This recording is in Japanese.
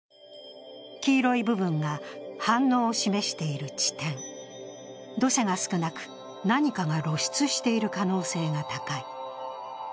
黄色い部分が反応を示している地点、土砂が少なく何かが露出している可能性が高い。